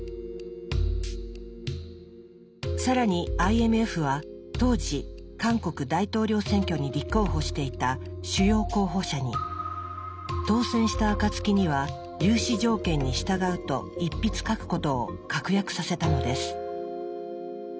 更にＩＭＦは当時韓国大統領選挙に立候補していた主要候補者に「当選したあかつきには融資条件に従うと一筆書く」ことを確約させたのです。